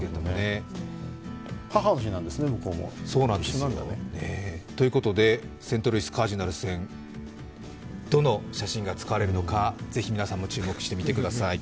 向こうも母の日なんですね、一緒なんですね。ということでセントルイス・カージナルス戦、どの写真が使われるのかぜひ皆さんも注目して見てください。